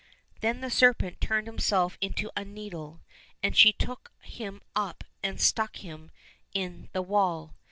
Then the serpent turned himself into a needle, and she took him up and stuck him in the wall.